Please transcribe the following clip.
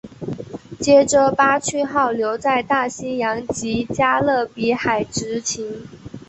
接着巴区号留在大西洋及加勒比海执勤。